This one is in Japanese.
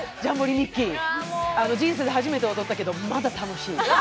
ミッキー人生で初めて踊ったけど、まだ楽しい。